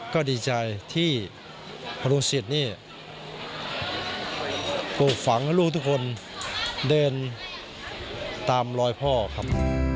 ก็ดีใจที่พระรุศิษย์นี่ปลูกฝังให้ลูกทุกคนเดินตามรอยพ่อครับ